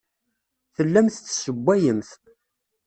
Tellamt tessewwayemt.